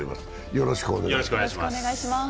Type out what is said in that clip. よろしくお願いします。